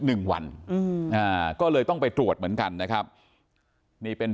หนึ่งวันอืมอ่าก็เลยต้องไปตรวจเหมือนกันนะครับนี่เป็น